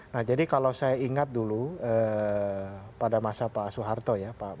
nah jadi kalau saya ingat dulu pada masa pak soeharto ya